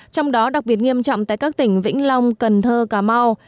trong đó đặc biệt nghiêm trọng tại các tỉnh vĩnh long cần thơ cà mau